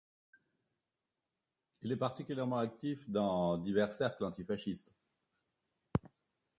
Il est particulièrement actif dans diverses cercles antifascistes.